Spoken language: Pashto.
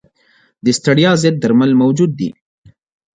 د ستړیا ضد درمل موجود دي.